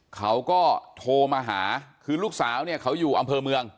เขาก็โทรมาหาคือลูกสาวเนี่ยเขาอยู่อำเภอเมือง